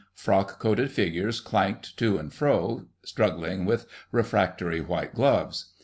Frock coated figures clanked to and fro, struggling with refractory white gloves.